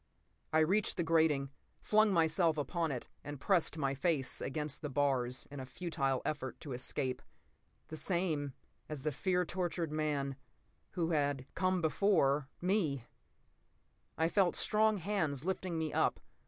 I reached the grating, flung myself upon it and pressed my face against the bars in a futile effort to escape. The same—as the fear tortured man—who had—come before—me. I felt strong hands lifting me up.